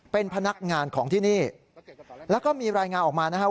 เป็นพนักงานของที่นี่แล้วก็มีรายงานออกมานะครับ